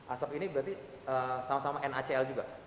asap ini berarti sama sama nacl juga